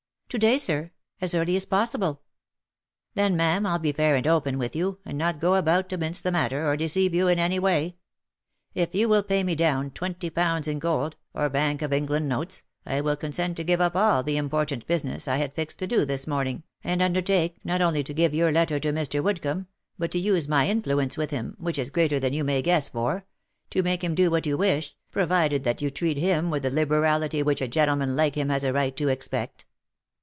" To day, sir ; as early as possible." " Then, ma'am, I'll be fair and open with you, and not go about to mince the matter, or deceive you in any way. If you will pay me down twenty pounds in gold, or Bank of England notes, I will consent to give up all the important business I had fixed to do this morning, and undertake, not only to give your letter to Mr. Woodcomb, but to use my influence with him — which is greater than you may guess for — to make him do what you wish, provided that you treat him with the liberality which a gentleman like him has a right to expect."